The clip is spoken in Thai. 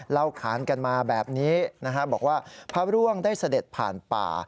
ขานกันมาแบบนี้บอกว่าพระร่วงได้เสด็จผ่านป่า